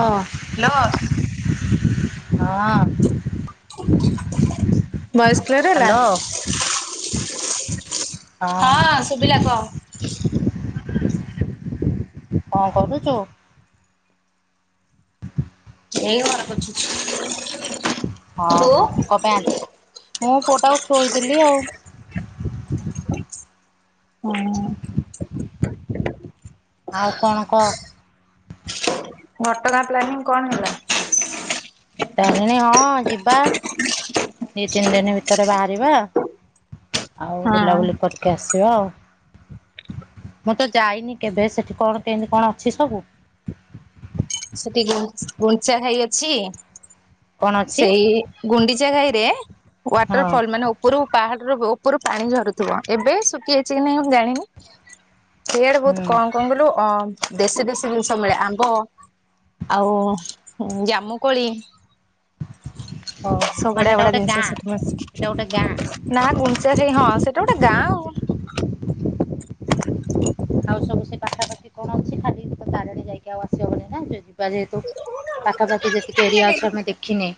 ହଁ। ଲୋ। ହଁ। ଭଏସ କ୍କିଅର ହେଲା? ହ୍ୟାଲୋ। ହଁ ଶୁଭିଲା କହ। କଣ କରୁଚୁ? ଏଇ ଘର ପେଛୁଛି। ହଁ ତୁ? ହଁ। କଣ ପାଇଁ ମୁଁ ପୁଅଟାକୁ ଶୋଇଦେଲି ଆଉ। ହୁଁ। ଆଉ କଣ କ? ଘଟଗାଁ ପ୍ଲାନିଙ୍ଗି କଣ ହେଲା? ତାରିଣୀ ହଁ ଯିବା। ଦି ତିନି ଦିନ ଭିତରେ ବାହାରିବା ଆଉ ହଁ ବୁଲାବୁଲି କରି କି ଆସିବା ଆଉ ମୁଁ ତ ଯାଇନି କେବେ ସେଠି କଣ କେମିତି କଣ ଅଛି ସବୁ? ସେଠି ଗୁ ଗୁଣ୍ଡିଚା ଘାହି ଅଛି କଣ ଅଛି? ସେଇ ଗୁଣ୍ଡିଚା ଘାହିରେ ୱାଟର ହଁ ଫଲ ମାନେ ଓ ପୁର ପାହାଡ ରୁ ଓପରୁ ପାଣି ଝରୁଥିବ ଏବେ ଶୁଖିଯାଇଚି କି ନାଇଁ ମୁଁ ଜାଣିନି। ସେଆଡେ ବହୁତ ହୁଁ କଣ କଣ କହିଲୁ ଅ ଦେଶୀ ଦେଶୀ ଜିନିଷ ମିଳେ ଆମ୍ବ ଆଉ ଜାମୁକୋଳି। ହଁ। ସବୁ ବଢିଆ ବଢିଆ ଜିନିଷ ସେଠି ଗାଁ ମିଳେ ନାଁ ଗୁଣ୍ଡିଚା ଘାଇ ହଁ ସେଟା ଗୋଟେ ଗାଁ ଆଉ। ଆଉ ସବୁ ସେ ପାଖାପାଖି କଣ ଅଛି ଖାଲି ତାରିଣୀ ଯାଇକି ଆଉ ଆସିବ ନା ଯ ବା ଯେହେତୁ ପାଖାପାଖି ଯେତିକି ଏରିଆ ଅଛି ଆମେ ଦେଖିନେ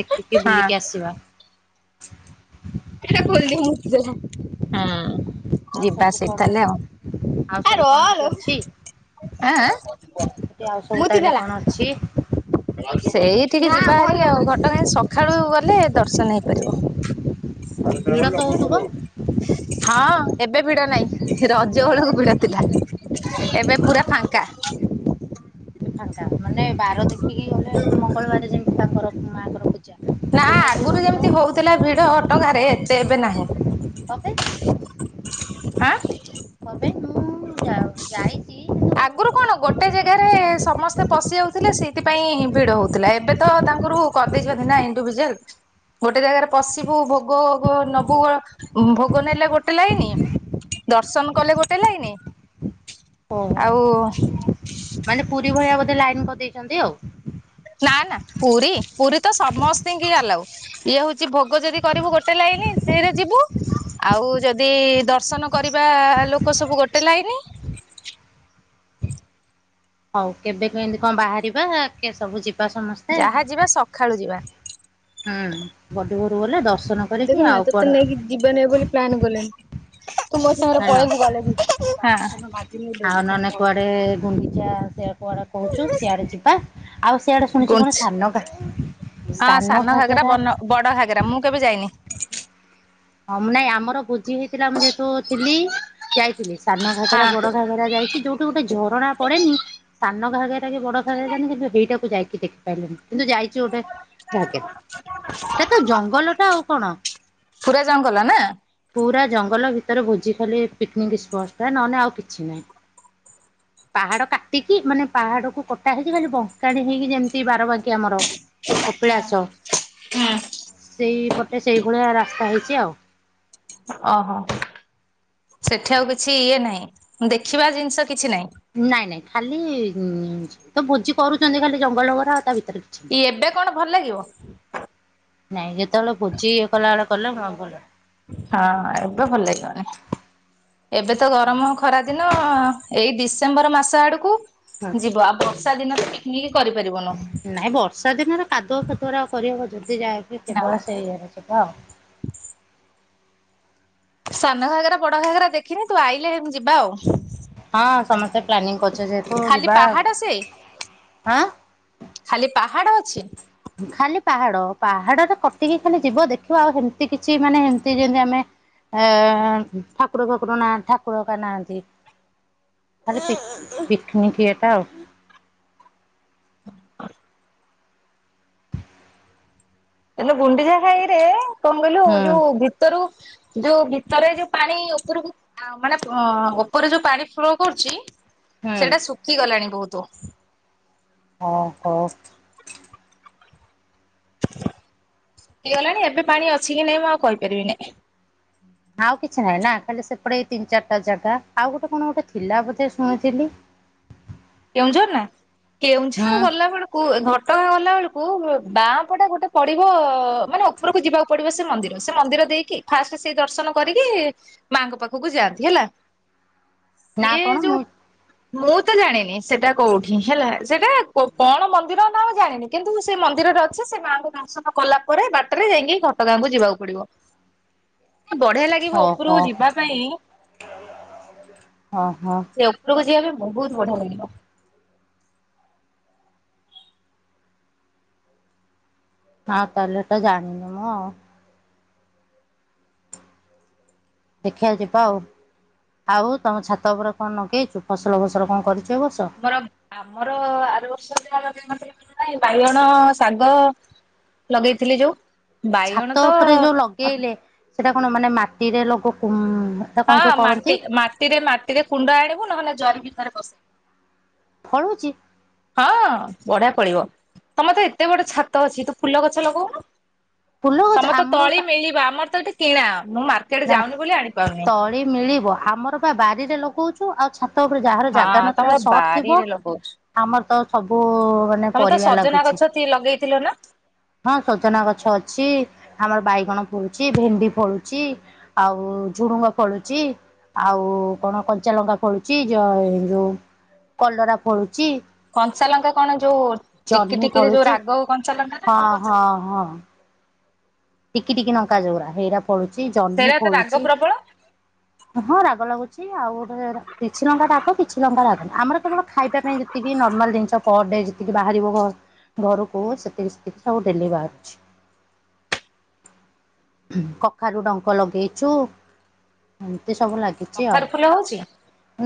ଦେଖିକି ହଁ। ବୁଲିକି ଆସିବା। ଏଇଟା ଖୋଲିଦେ ମୂତି ଦେଲା ହୁଁ। ଆଉ ଯିବା ସବୁ ସେଠି କଣ ତାହେଲେ ଆଉ। ଆଉ ଆ ସବୁ କଣ ରଲୋ ହେଟି ଅଛି? ସେ ଆଉ ସବୁ ଚାହିଲେ କଣ ଅଛି? ସେଇଠିକି ଯିବା ହାରି ଘଟଗାଁ ସକାଳୁ ଗଲେ ଦର୍ଶନ ହେଇପାରିବ। ଆଉ ଯେତେବେଳେ ଭିଡ ଗଲୁ ତ ଲଷ୍ମଣ ହଉଥିବ? [unintelligible] ହଁ ଏବେ ଭିଡ ନାହିଁ ରଜବେଳକୁ ଭିଡ ଥିଲା। ଏବେ ପୁରା ଫାଙ୍କା। ଆଚ୍ଛା ମାନେ ବାର ଦେଖିକି ଗଲେ ମଙ୍ଗଳବାର ଯେମିତି ତାଙ୍କର ମାଙ୍କର ପୂଜା। ନାଁ ତ ଭିଡ ଆଗରୁ ହଉଥିବ। ଯେମିତି ହଉଥିଲା ଭିଡ ଘଟଗାଁ ରେ ଏତେ ଏବେ ନାହିଁ। କଣପେଇ? ଆଁ? କଁ ପେଇ ମୁଁ ଯାଉ ଯାଇ [inaudible] ଆଗରୁ କଣ ଗୋଟେ ଜାଗାରେ ସମସ୍ତେ ପଶିଯାଉଥିଲେ ସେଇଥିପାଇଁ ଭିଡ ହେଉଥିଲା ଏବେ ତ ତାଙ୍କୁରୁ କରିଦେଇଛନ୍ତି ନା ଇଣ୍ଡିଭିଜୁଆଲ। ଗୋଟେ ଜାଗାରେ ପଶିବୁ ଭୋଗ ଗୁ ନବୁ ଭୋଗ ନେଲେ ଗୋଟେ ଲାଇନ ଦର୍ଶନ କଲେ ଗୋଟେ ଲାଇନ ଓହୋ ଆଉ ମାନେ ପୁରୀ ଭଳିଆ ବୋଧେ ଲାଇନ କରିଦେଇଛନ୍ତି ଆଉ। ନା ନା ପୁରୀ ପୁରୀ ତ ସମସ୍ତିଙ୍କି ଆଲାଉ। ଇଏ ହଉଚି ଭୋଗ ଯଦି କରିବୁ ଗୋଟେ ଲାଇନ ସେରେ ଯିବୁ ଆଉ ଯଦି ଦର୍ଶନ କରିବା ଲୋକ ସବୁ ଗୋଟେ ଲାଇନି ହଉ କେବେ କେମିତି କ ବାହାରିବା କେ ସବୁ ଯିବା ସମସ୍ତେ ଯାହା ଯିବା ସଖାଳୁ ଯିବା। ହୁଁ ବଡି ଭୋରୁ ଗଲେ ଦର୍ଶନ କରିକି ଦେଖ୍ ନା ଆଉ ତତେ କୁଆଡେ ନେଇକି ଯିବା ନାଇଁ ବୋଲି ପ୍ଲାନ୍ କଲେଣି। ତୁ ମୋ ସାଙ୍ଗରେ ହାଲୋ ପଳେଇବୁ ଗଲେ ବି। ଆଉ ନହେଲେ କୁଆଡେ ଗୁଣ୍ଡିଚା ସେୟା କୁଆଡେ କହୁଚୁ ସିଆଡେ ଯିବା ଆଉ ସିଆଡେ ଶୁଣିଚି କଣ ଗୁଞ୍ଚ୍ ସାନଗାଁ ହଁ ସାନ ଘାଗରା ଘାଗେରା ବନ ବଡ ଘାଗେରା ମୁଁ କେବେ ଯାଇନି। ହଁ ମୁଁ ନାଇଁ ଆମର ଭୁଜି ହେଇଥିଲା ମୁଁ ଯେହେତୁ ଥିଲି ଯାଇଥିଲି ସାନ ଘାଗରା ହଁ ବଡ ଘାଗରା ଯାଇ ଯୋଉଠି ଗୁଟେ ଝରଣା ପଡେନି ସାନ ଘାଗର କି ବଡ ଘାଗରା ଜାଣିନି କିନ୍ତୁ ହେଇଟାକୁ ଯାଇକି ଦେଖି ପାଇଲିନି କିନ୍ତୁ ଯାଇଛି ଗୋଟେ ଘାଗେରା ହେଟା ତ ଜଙ୍ଗଲ ଟା ଆଉ କଣ? ପୁରା ଜଙ୍ଗଲ ନା? ପୁରା ଜଙ୍ଗଲ ଭିତରେ ଭୋଜି ଖାଲି ପିକିନିକ୍ ସ୍ପଟ ଟା ନହେଲେ ଆଉ କିଛି ନାହିଁ। ପାହାଡ କାଟିକି ମାନେ ପାହାଡ କୁ କଟା ହେଇକି ଖାଲି ବଙ୍କାଡି ହେଇକି ଯେମି କି ବାରବାକି ଆମର କପିଳାସ। ସେଇପଟେ ସେଇ ଭଳିଆ ରାସ୍ତା ହେଇଚି ଆଉ। ଅହ। ସେଠି ଆଉ କିଛି ଇଏ ନାହିଁ ଦେଖିବା ଜିନିଷ କିଛି ନାହିଁ। ନାଇଁ ନାଇଁ ଖାଲି ତ ଭୋଜି କରୁଚନ୍ତି ଖାଲି ଜଙ୍ଗଲ ଉରା ଆଉ ତା ଭିତରେ କିଛି ନାହିଁ। ଇ ଏବେ କଣ ଭଲ ଲାଗିବ? ନାଇଁ ଯେତେବେଳେ ଭୋଜି ଇଏ କଲା ବେଳେ କଲେ ହଁ ଭଲ। ହଁ ଏବେ ଭଲ ଲାଗିବନି। ଏବେ ତ ଗରମ ଖରା ଦିନ ଏଇ ଡିସେମ୍ବର ମାସ ଆଡକୁ ହଁ ଯିବ ଆଉ ବର୍ଷା ଦିନ ପିକିନିକ୍ କରିପାରିବୁନୁ। ନାଇଁ ବର୍ଷା ଦିନରେ କାଦୁଅ ଫାଦୁଅ ରେ ଆଉ କରିହବକି ଯେବେ ଯାଇକି ନା। କେବଳ ସେଇ ଇଏ ରେ ଯିବା ଆଉ। ସାନ ଘାଗରା ବଡ ଘାଗରା ଦେଖିନି ତୁ ଆଇଲେ ଯିବା ଆଉ। ହଁ ସମସ୍ତେ ପ୍ଲାନିଂ କରୁଚେ ଯେହେତୁ ଖାଲି ଯିବା ଆ ପାହାଡ ସେ ହାଁ। ଖାଲି ପାହାଡ ଅଛି? ଖାଲି ପାହାଡ ପାହାଡରେ କଟିକି ଖାଲି ଯିବ ଦେଖିବ ଆଉ ହେମିତି କିଛି ମାନେ ଏମିତି ଯେମିତି ଆମେ ଏ ଠାକୁର ଫାକୁର ନାହାଁନ୍ତି ଠାକୁର ହକା ନାହାଁନ୍ତି। ଖାଲି ପିକ ପିକନିକ୍ ଇଏଟା ଆଉ। ହ [inaudible] ହେଲେ ଗୁଣ୍ଡିଚା ଖାଇ ରେ କଣ କହିଲୁ ହୁଁ ଯୁ ଭି ଭିତରୁ ଯୋଉ ଭିତରେ ଯୁ ପାଣି ଉପୁରୁକୁ ଆ ମାନେ ଉପରେ ଯୋଉ ପାଣି ଫ୍ଲୋ କରୁଚି ହୁଁ ସେଟା ଶୁଖିଗଲାଣି ବହୁତୁ। ଓହୋ। ଶୁଖିଗଲାଣି ଏବେ ପାଣି ଅଛି କି ନାଇଁ ମୁଁ ଆଉ କହିପାରିବିିନି। ଆଉ କିଛି ନାହିଁ ନା ଖାଲି ସେପଟେ ଏଇ ତିନି ଚାରିଟା ଜାଗା ଆଉ ଗୋଟେ କଣ ଗୋଟେ ଥିଲା ବୋଧେ ଶୁଣୁଥିଲି? କେଉଁଝର ନା ହୁଁ କେଉଁଝର ଗଲାବେଳୁ କୁ ଘଟଗାଁ ଗଲା ବେଳକୁ ବାଁ ପଟା ଗୋଟେ ପଡିବ ମାନେ ଉପରକୁ ଯିବା ପଡିବ ସେ ମନ୍ଦିର ସେ ମନ୍ଦିର ଦେଇକି ଫାଷ୍ଟ ସେଇ ଦର୍ଶନ କରିକି ମାଙ୍କ ପାଖକୁ ଯାଆନ୍ତି ହେଲା। ନା ସିଏ କଣ ଯୋଉ ମୁଁ ମୁଁ ତ ଜାଣିନି। ସେଟା କୋଉଠି ହେଲା ସେଟା କଣ ମନ୍ଦିର ନାଁ ଜାଣିନି କିନ୍ତୁ ସେ ମନ୍ଦିରରେ ଅଛି ସେ ମାଙ୍କୁ ଦର୍ଶନ କଲା ପରେ ବାଟରେ ଯାଇକି ଘଟଗାଁ କୁ ଯିବାକୁ ପଡିବ ବଢିଆ ଲାଗ ଓହ ଅ ହ। ସେ ଉପରକୁ ଯିବାପାଇଁ ବହୁତ ବଢିଆ ଲାଗିବ। ହଁ ତାହେଲେ ହେଟା ଜାଣିନି ମୁଁ ଆଉ। ଦେଖିଆ ଜିବା ଆଉ। ଆଉ ତମ ଛାତ ଉପରେ କଣ ଲଗେଇଛୁ ଫସଲ ଫସଲ କଣ କରିଛୁ ଏବର୍ଷ। ଆମର ଆମର ଆର ବର୍ଷହିଁ [unintelligible] ବାଇଗଣ ଶାଗ। ଲଗେଇଥିଲି ଯୋଉ। ବାଇଗଣ ଛାତ ତ ଉପରେ ଯୋଉ ଲଗେଇଲେ ସେଟା କଣ ମାନେ ମାଟିରେ ଲୋକ କୁହ। ହଁ ମାଟି ମାଟିରେ ମାଟିରେ କୁଣ୍ଡ ଆଣିବୁ ନହେଲେ ଜରି ଭିତରେ ପସେଇିବୁ। ଫଳୁଚି। ହଁ ବଢିଆ ଫଳିବ ତମରତ ଏତେବଡ ଛାତଅଛି ତୁ ଫୁଲଗଛ ଲଗଉନୁ। ଫୁଲ ଗଛ ତମେର ଆମର ତଳି ପା ମିଳିବ ଆମରତ ଏଠି କିଣା ମୁଁ ମାର୍କେଟ ଯାଉନି ବୋଲି ଆଣିପାରୁନି। ସେଇ ମିଳିବ ଆମରବା ବାରିରେ ଲଗଛୁ ଆଉ ଛାତ ଛାତ ଉପରେ ଯାହାର ହଁ ଜାଗାନଥିବ ତମର ସଟଥିବ ବାରିରେ ଆମରତ ସବୁ ମାନେ ତମରତ ପରିବା ଲାଗୁଛି ସଜନାଗଛ ଲଗେଇଥିଲନା। ହଁ ସଜନା ଗଛଅଛି ଆମର ବାଇଗଣ ଫଳୁଛି ଭେଣ୍ଡି ଫଳୁଛି। ଆଉ ଝୁଡୁଙ୍ଗ ଫଳୁଛି। ଆଉ କଣ କଞ୍ଚାଲଙ୍କା ଫୋଳୁଛି ଯ ଏଯୋଉ କଲରା ଫଳୁଛି। କଂଞ୍ଚାଲଙ୍କା କଣ ଯୋଉ ଟିକି ଜହ୍ନି ଟିକିରେ ଯୋଉ ରାଗ କଂଞ୍ଚାଲଙ୍କାନା କୋଉ କଞ୍ଚା ଅଁ ହଁ। ଟିକି ଟିକି ନଙ୍କା ଜଉରା ହେଇରା ଫଳୁଛି ଜହ୍ନି ସେଇଟା ତ ରାଗ ଫଳୁଛି ପ୍ରବଳ ହଁ ରାଗ ଲାଗୁଛି। ଆଉ ଗୋଟରେ କିଛି ଲଙ୍କାରାଗ କିଛି ଲଙ୍କାରାଗ ନୁହଁ ଆମର କେବଳ ଖାଇବା ପାଇଁ ଯେତିକି ନର୍ମାଲ ଜିନିଷ। ପର ଡେ ଯେତିକି ବାହାରିବ ଘର ଘରକୁ ସେତିକି ସେତିକି ସବୁ ଡେଲି ବାହାରୁଛି। କଖାରୁ ଡଙ୍କ ଲଗେଇଛୁ ଏମତି ସବୁ ଲାଗି ଚି ଆଉ। କଖାରୁ ଫୁଲ ହଉଛି।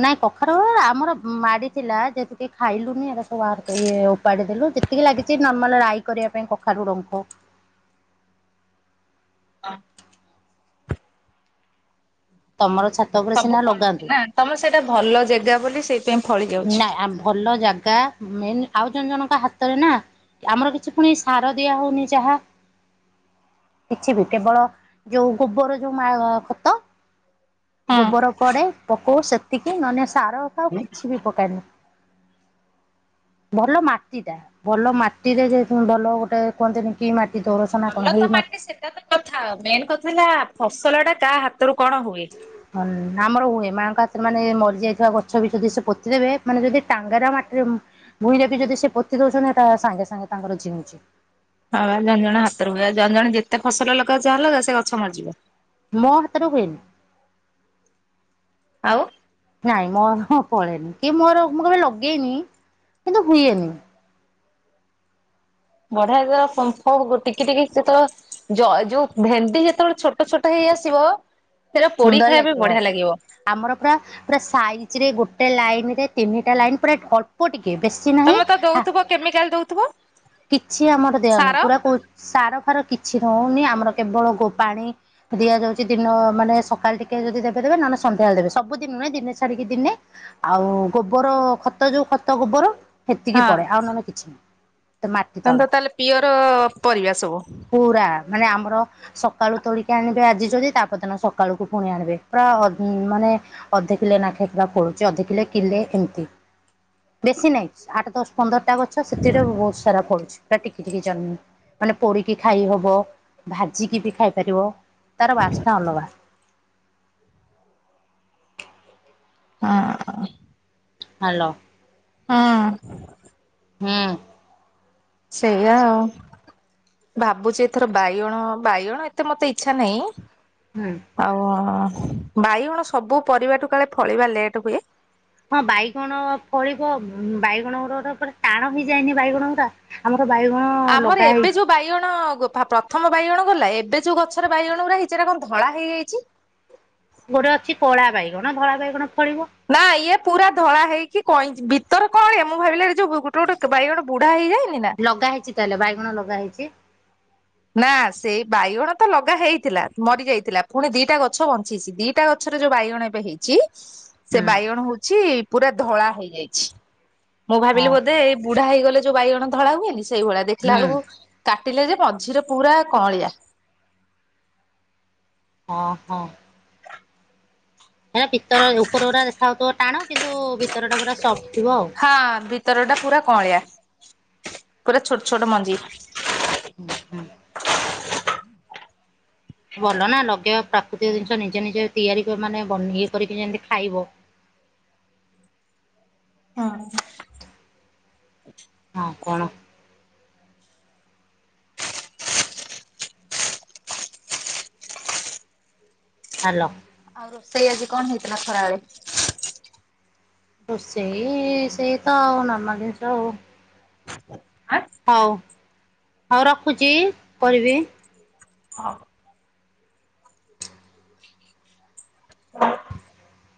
ନାଇଁ କଖାରୁ ଆମର ମାଡି ଥିଲା ଯେହେତୁ କେଇ ଖାଇଲୁନି ଏରାସବୁ ଆର ଇଏ ହଉ। କାଢିଦେଲୁ ଯେତିକି ଲାଗିଛି ନର୍ମାଲ ରାଇ କରିବା ପାଇଁ କଖାରୁ ଡଙ୍କ। ଆ। ତମର ଛା ସବୁ ଫଳୁଛିନା ତମର ସେଇଟା ଭଲଜେଗା ବୋଲି ସେଇ ନାଇଁ ଆମ ଭଲଜାଗା। ମେନ ଆଉ ଜଣେ ଜଣଙ୍କ ହାତରେନା ଆମର କିଛି ପୁଣି ସାର ଦିଆହଉନି ଯାହା। କିଛିବି କେବଳ ଯୋଉ ଗୋବରରେ ଯୋଉ ମାର ଖତ। ହଁ ଗୋବର ପଡେ ପକଉ ସେତିକି ନହେଲେ ସାର [unintelligible] ଆଉ କିଛି ବି ପକାଏନି। ଭଲମାଟିଟା ଭଲମାଟିରେ ଯେ ଭଲଗୋଟେ। କୁହନ୍ତିନି କିମାଟି ଦୋରସନା କଣ ହେଇମାଟି। ଏଇତ କଥା ମେନକଥା ହେଲା ଫସଲଟା କାହା ହାତରୁ କଣ ହୁଏ? ହ ନ ଆମର ହୁଏ ମାଙ୍କ ହାତରେ ମାନେ ମରିଯାଇଥିବା ଗଛବି ଯଦି ସେ ପୋତିଦେବେ ମାନେ ଯଦି ଟାଙ୍ଗାରା ମାଟିରେ ଭୁଇଁରେବିି ଯଦି ସେ ପୋତି ଦଉଛନ୍ତି ହେଟା ସାଙ୍ଗେ ସାଙ୍ଗେ ତାଙ୍କର ଜିଉଛି। ହଁବା ଜଣେ ଜଣେ ହାତରେ ହୁଏ ଜଣେ ଜଣେ ଯେତେ ଫସଲ ଲଗାଉଚି ଅଲଗା ସେଗଛ ମରିଜିବ। ମୋ ହାତରେ ହୁଏନି। ଆଉ ନାଇଁ ମୋର ଫଳେନି କି ମୋର ମୁଁ କେବେ ଲଗେଇନି କିନ୍ତୁ ହୁଏନି। ବଢିଆ ଯେତେବେଳେ ପଙ୍କ ଟିକି ଟିକି ସେତେବେଳେ ଜୟ ଯୋଉ ଭେଣ୍ଡି ଯେତେବେଳେ ଛୋଟ ଛୋଟ ହେଇଆସିବ। ସୁନ୍ଦର ଲାଗିବ। ଆମର ପୁରା ପୁରା ସାଇଜ ରେ ଗୋଟେ ଲାଇନ ରେ ତିନିଟା ଲାଇନ ପୁରା ଅଳ୍ପ ଟିକେ ବେ ତମେ ତ ଦୋଉଥିବ କେମିକାଲ ଦୋଉଥିବ? କିଛି ଆମର ଦିଆ ହୋଉନେହିଁ ପୁରା ସାର ଫାର କିଛି ହୋଉନି ଆମର କେବଳ ଗୋ ପାାଣି। ଦିଆଯାଉଚି ଦିନ ମାନେ ସକାଳେ ଟିକେ ଯଦି ଦେବେ ଦେବେ ନହେଲେ ସନ୍ଧ୍ୟାବେଳେ ଦେବେ ସବୁଦିନି ନୁହେଁ ଦିନେ ଛାଡ଼ିକି ଦିନେ। ଆଉ ଗୋବର ଖତ ଯୋଉ ଖତ ଗୋବର ସେତିକି ହଁ ପଡେ ଆଉ ନହେଲେ କିଛି ନାହିଁ। ମାଟି ତ ତାହେଲେ ତଳେ ଟୋଟାଲି ପିଅର ପରିବା ସବୁ। ପୁରା ମାନେ ଆମର ସକାଳୁ ତୋଳିକି ଆଣିବେ ଆଜି ଯଦି ତାପଦିନ ସକାଳୁକୁ ପୁଣି ଆଣିବେ ପୁରା ମାନେ ଅଧ କିଲେ ନାଖେ ଫୁଳା ଫଳୁଛି ଅଧ କିଲେ କିଲେ ଏମିତି। ବେଶୀ ନାହିଁ ଆଠ ଦଶ ପନ୍ଦରଟା ଗଛ ସେଥିରେ ଭୋଉତୁ। ସାରା ପଡ଼ୁଚି ପୁରା ଟିକି ଟିକି ଜହ୍ନି ମାନେ ପୋଡିକି ଖାଇ ହବ। ଭାଜିିକି ବି ଖାଇପାରିବ ତାର ବାସ୍ନା ଅଲଗା। ହଁ। ହାଲୋ। ହଁ। ହଁ। ସେଇଆ ଆଉ। ଭାବୁଚି ଏଥର ବାଇଗଣ ବାଇଗଣ ଏତେ ମତେ ଇଚ୍ଛା ନାହିଁ। ହୁଁ। ଆଉ ବାଇଗଣ ସବୁ ପରିବାଠୁ କାଳେ ଫଳିବା ଲେଟେ ହୁଏ। ହଁ ବାଇଗଣ ପଳିବ ବାଇଗଣ ଗେଟେଟେ ପୁରା ଟାଣ ହେଯାଇଏନି ବାଇଗଣ ଗୁରା। ଆମର ବାଇଗଣ ଆମର ଲଗା ଏବେ ହେଇଛି ଯୋଉ ବାଇଗଣ ପ୍ରଥମ ବାଇଗଣ ଗଲା ଏବେ ଯୋଉ ଗଛରେ ବାଇଗଣ ଗୁଡା ହେଇଚି ସେରା କଣ ଧଳା ହେଇଯାଇଛି। ଗୋଟେ ଅଛି କଳା ବାଇଗଣ ଧଳା ବାଇଗଣ ଫଳିବ। ନା ଇଏ ପୁରା ଧଳା ହେଇକି କଇଁଚି ଭିତରେ କଣ ମୁଁ ଭାବିଲି ଯୋଉ ଗୋଟେ ଗୋଟେ ବାଇଗଣ ବୁଢା ହେଇଯାଏନେହିଁ ନା। ଲଗା ହେଇଚି ତାହେଲେ ବାଇଗଣ ଲଗା ହେଇଚି। ନା ସେଇ ବାଇଗଣ ତ ଲଗା ହେଇଥିଲା ମରି ଯାଇଥିଲା ପୁଣି ଦିଟା ଗଛ ବଞ୍ଚିଛି ଦିଟା ଗ ଗଛରେ ଯୋଉ ବାଇଗଣ ଏବେ ହେଇଚି। ସେ ହୁଁ ବାଇଗଣ ହୋଉଚି ପୁରା ଧଳା ହେଇଯାଇଛି ମୁଁ ଭାବିଲି ହଉ ବୋଧେ ବୁଢା ହେଇଗଲେ ଯୋଉ ବାଇଗଣ ଧଳା ହୁଏନି ସେଇଭଳିଆ ଦେଖିଲା ହୁଁ ବେଳକୁ କାଟିଲେ ଯେ ମଝିର ପୁରା କଅଁଳିଆ। ହଁ ହଁ। ହେଲା ଭିତର ଉପର ପୁରା ଦେଖାହାଉଥିବ ଟାଣ କିନ୍ତୁ ଭିତର ଟା ପୁରା ସପ୍ଟ ଥିବ ଆଉ। ହଁ ଭିତର ଟା ପୁରା କଳିଆ ପୁରା ଛୋଟ ଛୋଟ ମଞ୍ଜି। ଉଁ ହୁଁ। ଭଲ ନା ଲଗେଇବା ପ୍ରାକୃତିକ ଜିନିଷ ନିଜେ ନିଜେ ତିଆରି ମାନେ ଇଏ କରିକି ଯେମିତି ଖାଇବ। ହଁ। ହଁ କଣ? ହାଲୋ। ଆଉ ରୋଷେଇ ଆଜି କଣ ହେଇଥିଲା ଖରାବେଳେ? ରୋସେଇ ସେଇ ତ ଆଉ ନର୍ମାଲ ଜିନିଷ ଆଉ। ଆଁ ହଉ ହଉ ରଖୁଚ କରିବି। ହଉ।